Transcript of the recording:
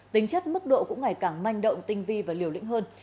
tính chất mức độ cũng ngày càng manh động tinh vi và liều lĩnh hơn